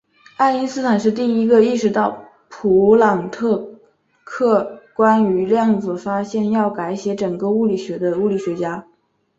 爱因斯坦是第一个意识到普朗克关于量子的发现将要改写整个物理学的物理学家。